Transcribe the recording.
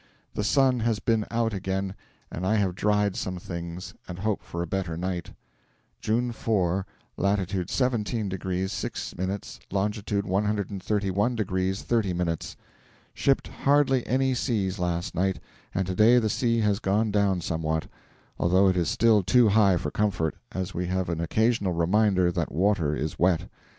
The sun has been out again, and I have dried some things, and hope for a better night. June 4. Latitude 17 degrees 6 minutes, longitude 131 degrees 30 minutes. Shipped hardly any seas last night, and to day the sea has gone down somewhat, although it is still too high for comfort, as we have an occasional reminder that water is wet.